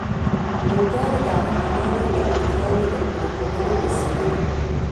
لوگر د افغانانو د اړتیاوو د پوره کولو وسیله ده.